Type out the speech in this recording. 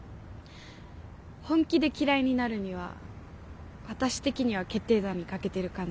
本気で嫌いになるには私的には決定打に欠けてる感じで。